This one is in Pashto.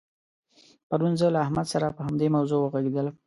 پرون زه له احمد سره په همدې موضوع وغږېدلم.